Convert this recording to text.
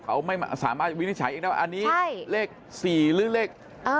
เขาไม่สามารถวินิจฉัยเองได้ว่าอันนี้เลข๔หรือเลข